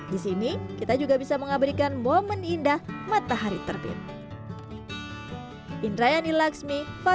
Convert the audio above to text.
di sini kita juga bisa mengabadikan momen indah matahari terbit